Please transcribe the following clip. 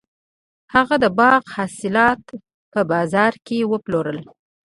هغه د باغ حاصلات په بازار کې وپلورل.